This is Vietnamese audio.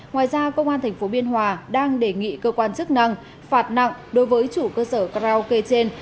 ngoài ra công an tp biên hòa đang đề nghị cơ quan chức năng phạt nặng đối với chủ cơ sở karaoke trên